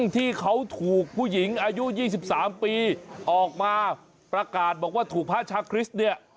ที่เขาถูกผู้หญิงอายุ๒๓ปีออกมาประกาศบอกว่าถูกพระชาคริสต์เนี่ย